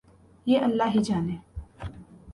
یہ اللہ ہی جانے۔